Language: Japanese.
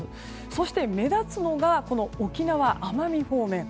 そして目立つのが沖縄、奄美方面。